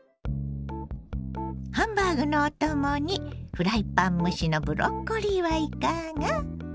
ハンバーグのお供にフライパン蒸しのブロッコリーはいかが？